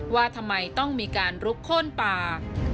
ว่าทำไมต้องมีการลุกโค้นป่า